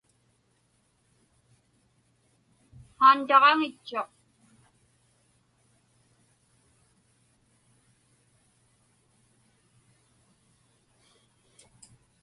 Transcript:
Haantaġaŋitchuq.